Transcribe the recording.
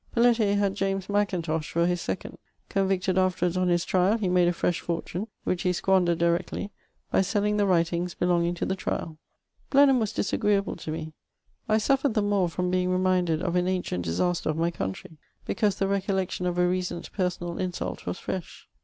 Felletier had James Mackintosh for his second; convicted afterwards on his trial, he made a fresh fortune (which he squandered directly) by selling the writings belong ing to the trial. Blenheim was disagreeable to me ; I suffered the more firom being reminded of an ancient disaster of my country, because the recollection of a recent personal insult was fresn.